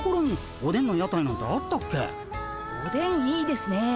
おでんいいですね。